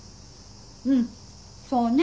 うんそうね。